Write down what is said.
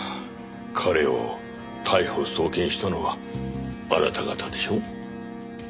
彼を逮捕送検したのはあなた方でしょう？